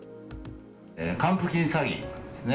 還付金詐欺ですね。